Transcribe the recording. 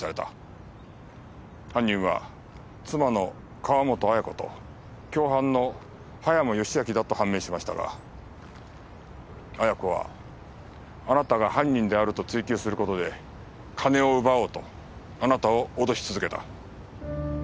犯人は妻の川本綾子と共犯の葉山義明だと判明しましたが綾子はあなたが犯人であると追及する事で金を奪おうとあなたを脅し続けた。